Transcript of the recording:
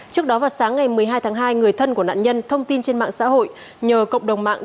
trước đó vào sáng ngày một mươi hai tháng hai người thân của nạn nhân thông tin trên mạng xã hội nhờ cộng đồng mạng